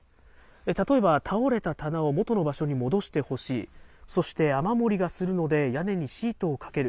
例えば、倒れた棚を元の場所に戻してほしい、そして、雨漏りがするので屋根にシートをかける。